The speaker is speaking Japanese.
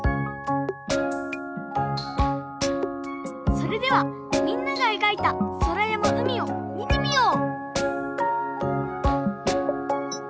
それではみんながえがいたそらやまうみをみてみよう！